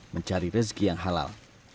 mencari rezeki yang halal